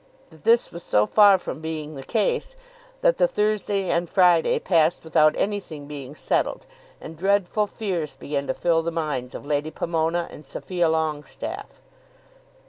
But this was so far from being the case that the Thursday and Friday passed without anything being settled, and dreadful fears began to fill the minds of Lady Pomona and Sophia Longestaffe.